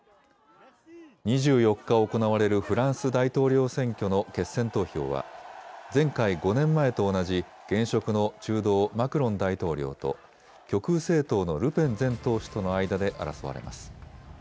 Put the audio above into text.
２４日行われるフランス大統領選挙の決選投票は、前回・５年前と同じ、現職の中道、マクロン大統領と、極右政党のルペン前党首との間で争われます。